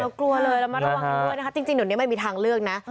เรากลัวเลยเรามาระวังด้วยนะฮะจริงเดี๋ยวนี้ไม่มีทางเลือกนะ